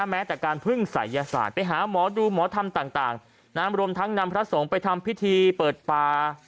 แม้แต่การพึ่งศัยยศาสตร์ไปหาหมอดูหมอธรรมต่างรวมทั้งนำพระสงฆ์ไปทำพิธีเปิดป่า